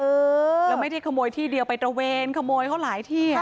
เออแล้วไม่ได้ขโมยที่เดียวไปตระเวนขโมยเขาหลายที่อ่ะ